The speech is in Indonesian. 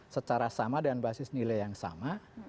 secara sama dan basis nilai yang sama